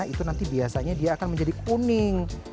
itu nanti biasanya dia akan menjadi kuning